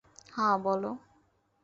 হ্যাঁ, বলো।